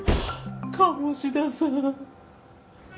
鴨志田さん！